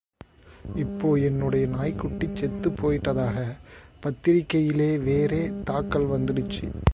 இப்போ என்னுடைய நாய்க்குட்டி செத்துப் போயிட்டதாக பத்திரிகையிலே வேறே தாக்கல் வந்திடுச்சு.